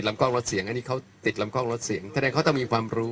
อันนี้เขาติดลำวกล้องลดเสียงเท่าไรเขาต้องมีความรู้